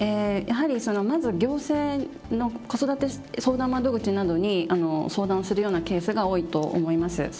やはりそのまず行政の子育て相談窓口などに相談するようなケースが多いと思います。